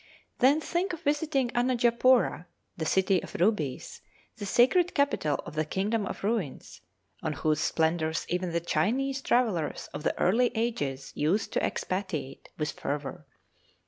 Then think of visiting Anajapoora, the city of rubies, the sacred capital of the kingdom of ruins, on whose splendours even the Chinese travellers of the early ages used to expatiate with fervour.